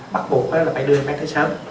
bắt buộc phải đưa em bé tới sớm